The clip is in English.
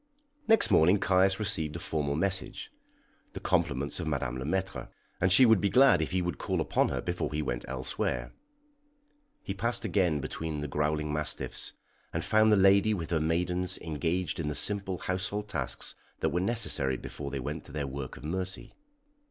Next morning Caius received a formal message the compliments of Madame Le Maître, and she would be glad if he would call upon her before he went elsewhere. He passed again between the growling mastiffs, and found the lady with her maidens engaged in the simple household tasks that were necessary before they went to their work of mercy.